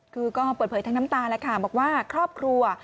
คือก็เปิดเผยทั้งน้ำตาแล้วค่ะบอกว่าครอบครัว